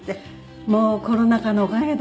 もうコロナ禍のおかげです。